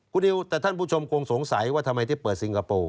คุณนิวแต่ท่านผู้ชมคงสงสัยว่าทำไมที่เปิดซิงคโปร์